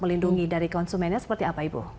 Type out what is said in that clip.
melindungi dari konsumennya seperti apa ibu